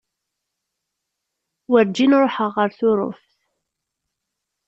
Werǧin ruḥeɣ ɣer Tuṛuft.